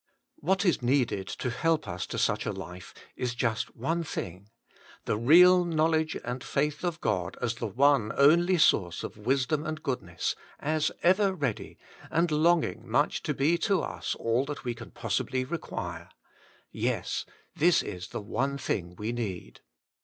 What is needed to help us to such a life is just one thing : the real 3t WAITING ON GOBI knowledge and faith of God as the one only source of wisdom and goodness, as ever ready, and longing much to be to us all that we can possibly require — yes ! this is the one thing we need.